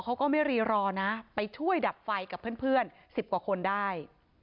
เขาก็ไม่รีรอนะไปช่วยดับไฟกับเพื่อน๑๐กว่าคนได้